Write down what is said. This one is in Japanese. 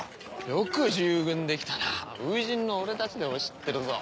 よく従軍できたな初陣の俺たちでも知ってるぞ。